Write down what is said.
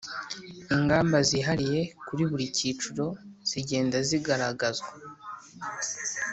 ingamba zihariye kuri buri cyiciro zigenda zigaragazwa